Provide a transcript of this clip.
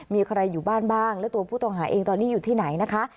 มีใครอยู่บ้านบ้างและตัวผู้ต้องหาเองตอนนี้อยู่ที่ไหนนะคะ